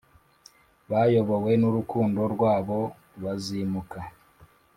bayobowe nurukundo rwabo bazimuka